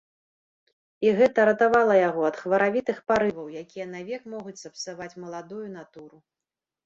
І гэта ратавала яго ад хваравітых парываў, якія навек могуць сапсаваць маладую натуру.